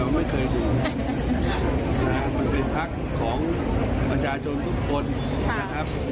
มันเป็นภักดิ์ของประชาชนทุกคนนะครับ